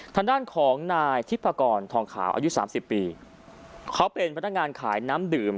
ทางด้านของนายทิพกรทองขาวอายุสามสิบปีเขาเป็นพนักงานขายน้ำดื่ม